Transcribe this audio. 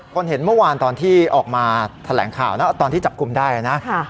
เห็นเมื่อวานตอนที่ออกมาแถลงข่าวนะตอนที่จับกลุ่มได้นะ